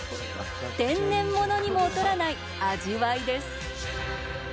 天然物にも劣らない味わいです。